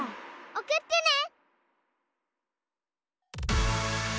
おくってね！